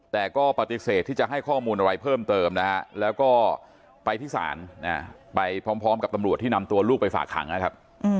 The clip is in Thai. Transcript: แต่ก็ปฏิเสธที่จะให้ข้อมูลอะไรเพิ่มเติมนะฮะแล้วก็ไปที่ศาลไปพร้อมกับตำรวจที่นำตัวลูกไปฝากขังนะครับ